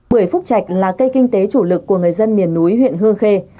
bưởi phúc trạch là cây kinh tế chủ lực của người dân miền núi huyện hương khê